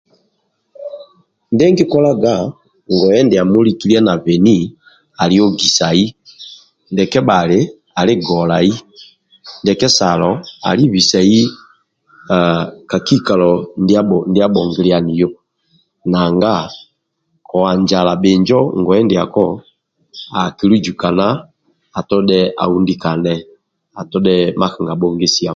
Ndia nkikolga ngoye ndiamo likikia na beni ali ogisai ndia kebhali ali golai ndia kesalo ali bisai ka kikalo ndia abhongilianio nanga ko anjala bhinjo akilujukana atodhe aundikane atodhe makanga bhongisiako